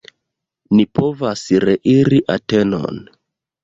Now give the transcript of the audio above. Ni povas reiri Atenon!